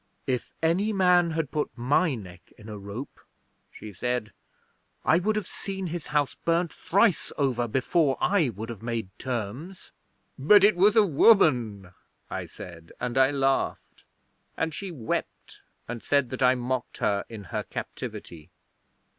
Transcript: '"If any man had put my neck in a rope," she said, "I would have seen his house burned thrice over before I would have made terms." '"But it was a woman," I said; and I laughed, and she wept and said that I mocked her in her captivity.